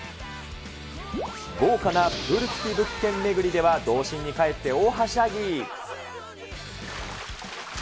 豪華なプール付き物件巡りでは、童心に返って大はしゃぎ。